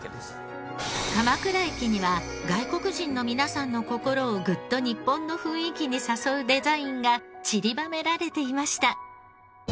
鎌倉駅には外国人の皆さんの心をグッと日本の雰囲気に誘うデザインがちりばめられていました。